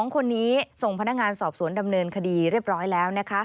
๒คนนี้ส่งพนักงานสอบสวนดำเนินคดีเรียบร้อยแล้วนะคะ